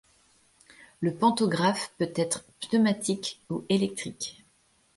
Le pantographe peut être pneumatique ou électrique.